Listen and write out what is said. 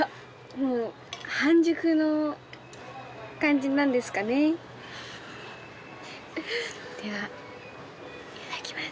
もう半熟の感じなんですかねではいただきます